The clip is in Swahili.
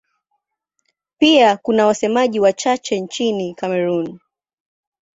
Pia kuna wasemaji wachache nchini Kamerun.